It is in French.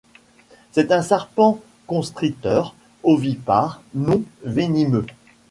C'est un serpent constricteur ovipare, non-venimeux.